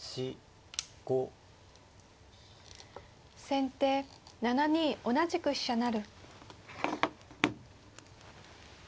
先手７二同じく飛車成。